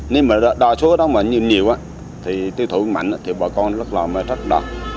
nếu mà đo số đó mà nhiều thì tiêu thụ mạnh thì bọn con rất là đọt